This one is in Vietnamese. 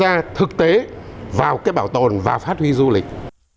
ra thực tế vào cái bảo tồn và phát huy du lịch